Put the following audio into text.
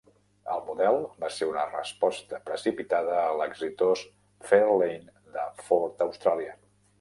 El model va ser una resposta precipitada a l"exitós Fairlane de Ford Austràlia.